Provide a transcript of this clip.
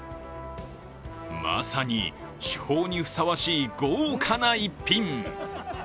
まさに主砲にふさわしい豪華な逸品。